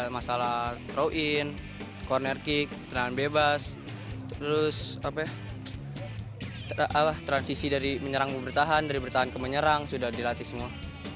masalah throw in corner kick terang bebas terus transisi dari menyerang ke menyerang sudah dilatih semua